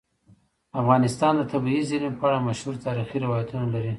افغانستان د طبیعي زیرمې په اړه مشهور تاریخی روایتونه لري.